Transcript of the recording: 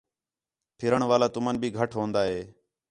پِھرݨ والا تُمن بھی گھٹ ہون٘دا ہِے